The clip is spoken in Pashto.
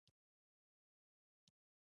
د فضاء څېړنه د نوو معلوماتو سرچینه ده.